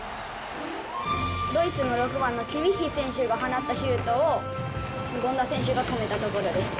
ドイツの６番のキミッヒ選手が放ったシュートを、権田選手が止めたところです。